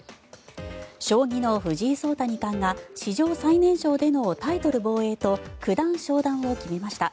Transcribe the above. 将棋の藤井聡太二冠が史上最年少でのタイトル防衛と九段昇段を決めました。